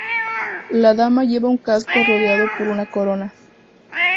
La dama lleva un casco rodeado por una corona.